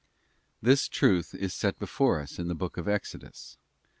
This truth is set before us in the book of Exodus.